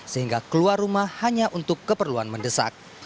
sehingga keluar rumah hanya untuk keperluan mendesak